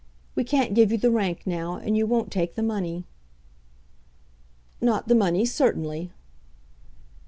We can't give you the rank now, and you won't take the money." "Not the money, certainly."